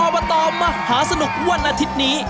บตมหาสนุกวันอาทิตย์นี้